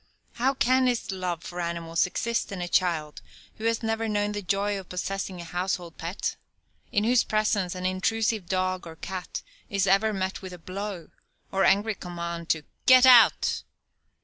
How can this love for animals exist in a child who has never known the joy of possessing a household pet? In whose presence an intrusive dog or cat is ever met with a blow, or angry command to "get out?"